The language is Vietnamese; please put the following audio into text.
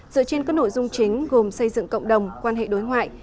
dựa trên các nội dung chính gồm xây dựng cộng đồng quan hệ đối ngoại